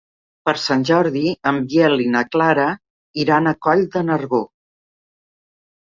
Per Sant Jordi en Biel i na Clara iran a Coll de Nargó.